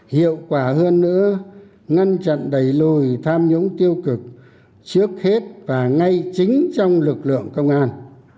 hiệu quả hơn nữa ngăn chặn đẩy lùi tham nhũng tiêu cực trước hết và ngay chính trong lực lượng công an